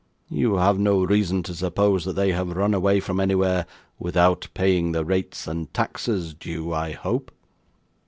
'You have no reason to suppose that they have run away from anywhere without paying the rates and taxes due, I hope?